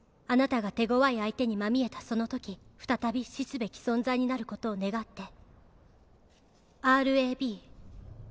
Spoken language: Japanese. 「あなたが手ごわい相手にまみえたそのとき」「再び死すべき存在になることを願って」